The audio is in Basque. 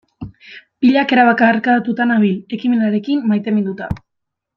Pilak erabat kargatuta nabil, ekimenarekin maiteminduta.